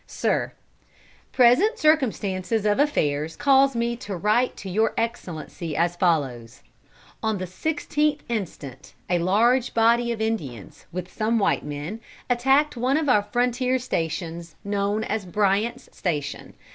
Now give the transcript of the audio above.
"Sir, Present circumstances of affairs cause me to write to Your Excellency, as follows: On the sixteenth instant, a large body of Indians, with some white men, attacked one of our frontier stations, known as Bryant's Station.